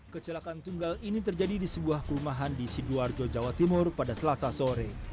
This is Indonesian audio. kecelakaan tunggal ini terjadi di sebuah perumahan di sidoarjo jawa timur pada selasa sore